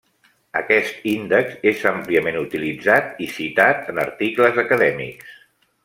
Aquest índex és àmpliament utilitzat i citat en articles acadèmics.